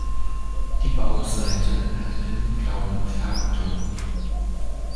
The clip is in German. Die Bauchseite hat einen grauen Farbton.